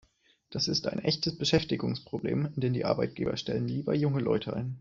Das ist ein echtes Beschäftigungsproblem, denn die Arbeitgeber stellen lieber junge Leute ein.